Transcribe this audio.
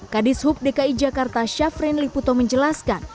kadis hub dki jakarta syafrin liputo menjelaskan